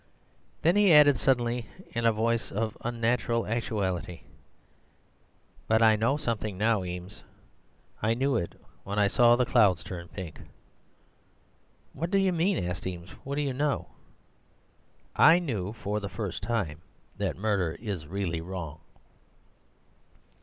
"Then he added suddenly in a voice of unnatural actuality, 'But I know something now, Eames. I knew it when I saw the clouds turn pink.' "'What do you mean?' asked Eames. 'What did you know?' "'I knew for the first time that murder is really wrong.